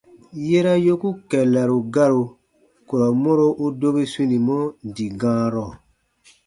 Yera yoku sɔ̃ɔ kɛllaru garu, kurɔ mɔro u dobi sunimɔ dii gãarɔ.